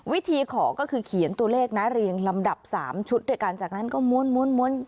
วิธีขอก็คือเขียนตัวเลขน้าเรียงลำดับสามชุดด้วยการจากนั้นก็ม้วนม้วนม้วน